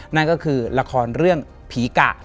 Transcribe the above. นั่นก็คือละครเรื่องผีกะ